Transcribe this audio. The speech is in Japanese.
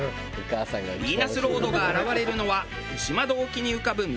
ヴィーナスロードが現れるのは牛窓沖に浮かぶ３つの小島。